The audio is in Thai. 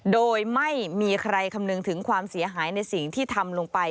โดยไม่มีใครคำนึงถึงความเสียหายในสิ่งที่ทำลงไป